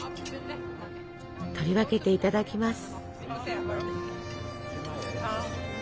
取り分けていただきます。